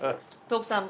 徳さん